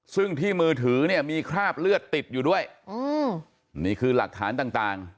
ซึ่งที่มือถือเนี่ยมีคราบเลือดติดอยู่ด้วยนี่คือหลักฐานต่าง